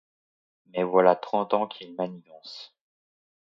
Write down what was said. Mais voilà trente ans qu’ils manigancent.